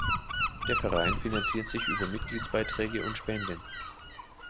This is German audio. Der Verein finanziert sich über Mitgliedsbeiträge und Spenden.